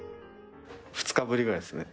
２日ぶりぐらいっすね。